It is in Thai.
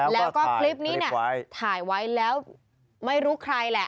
แล้วก็คลิปนี้เนี่ยถ่ายไว้แล้วไม่รู้ใครแหละ